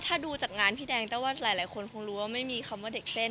ถ้าดูจากงานพี่แดงแต้วว่าหลายคนคงรู้ว่าไม่มีคำว่าเด็กเส้น